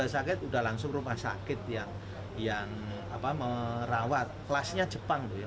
ya tak ya semua kamu persepsinya apa